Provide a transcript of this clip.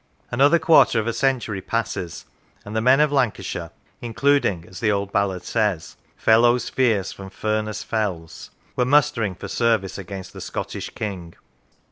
Another quarter of a century passes, and the men of Lancashire, including (as the old ballad says) " fellows fierce from Furness fells," were mustering for service against the Scottish King.